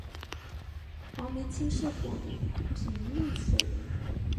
黄晦卿是广平丽水人。